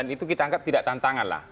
itu kita anggap tidak tantangan lah